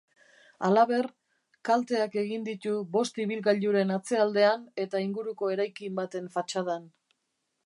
Halaber, kalteak egin ditu bost ibilgailuren atzealdean eta inguruko eraikin baten fatxadan.